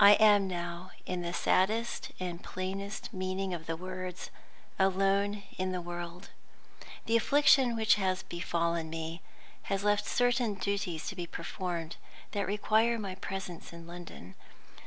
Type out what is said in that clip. I am now, in the saddest and plainest meaning of the words, alone in the world. The affliction which has befallen me has left certain duties to be performed that require my presence in London.